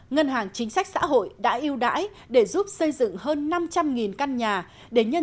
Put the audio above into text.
ngân hàng chính sách xã hội đã ưu đãi để giúp xây dựng hơn năm trăm linh căn nhà